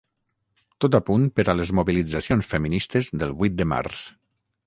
Tot a punt per a les mobilitzacions feministes del vuit de març.